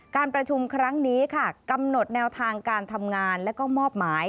การประชุมครั้งนี้ค่ะกำหนดแนวทางการทำงานและก็มอบหมาย